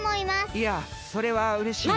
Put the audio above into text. いやそれはうれしいなあ。